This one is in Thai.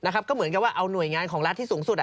ก็เหมือนกับว่าเอาหน่วยงานของรัฐที่สูงสุด